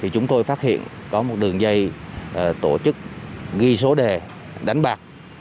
chúng tôi phát hiện có một đường dây tổ chức ghi số đề đánh bạc